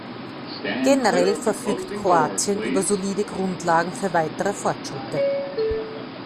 Generell verfügt Kroatien über solide Grundlagen für weitere Fortschritte.